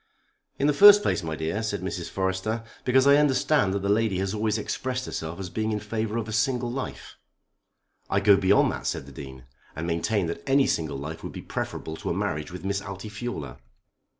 "In the first place, my dear," said Mrs. Forrester, "because I understand that the lady has always expressed herself as being in favour of a single life." "I go beyond that," said the Dean, "and maintain that any single life would be preferable to a marriage with Miss Altifiorla."